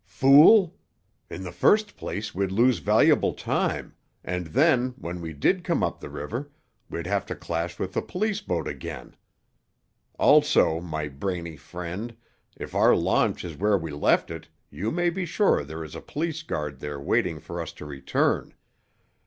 "Fool! In the first place, we'd lose valuable time, and then, when we did come up the river, we'd have to clash with the police boat again. Also, my brainy friend, if our launch is where we left it, you may be sure there is a police guard there waiting for us to return.